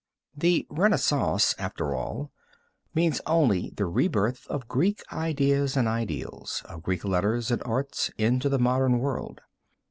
The Renaissance, after all, means only the re birth of Greek ideas and ideals, of Greek letters and arts, into the modern world.